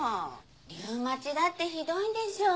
リューマチだってひどいんでしょ。